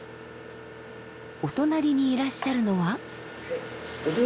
お隣にいらっしゃるのは。